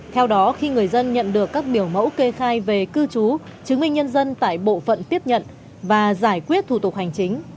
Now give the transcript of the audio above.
theo đó khi người dân nhận được các biểu mẫu kê khai về cư trú chứng minh nhân dân tại bộ phận tiếp nhận và giải quyết thủ tục hành chính